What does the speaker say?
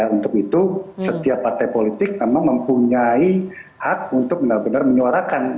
untuk itu setiap partai politik memang mempunyai hak untuk benar benar menyuarakan